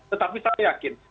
tetapi saya yakin